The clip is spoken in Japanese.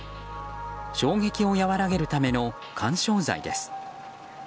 衝撃を和らげるための緩衝材です。